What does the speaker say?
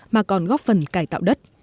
mà còn góp phần cải tạo đất